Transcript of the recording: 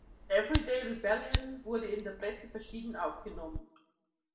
Everyday Rebellion wurde in der Presse verschieden aufgenommen.